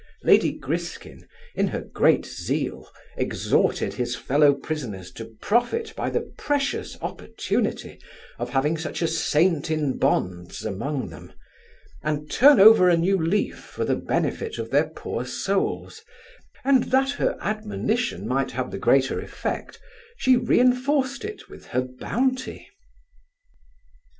Lady Griskin, in her great zeal, exhorted his fellow prisoners to profit by the precious opportunity of having such a saint in bonds among them, and turn over a new leaf for the benefit of their poor souls; and, that her admonition might have the greater effect, she reinforced it with her bounty.